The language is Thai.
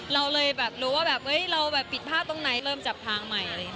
เราเลยรู้ว่าเราปิดผ้าตรงไหนเริ่มจับทางใหม่